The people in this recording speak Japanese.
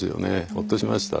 ホッとしました。